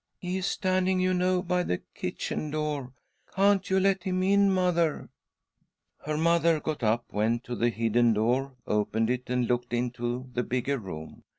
"He is standing, you know, by the kitchen door. Can't you let him in, mother ?" Her mother got up, went to .the hidden door, opened it, and looked into, the bigger room.